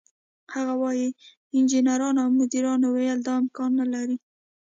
هغه وايي: "انجنیرانو او مدیرانو ویل دا امکان نه لري،